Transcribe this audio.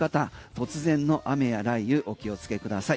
突然の雨や雷雨お気をつけください。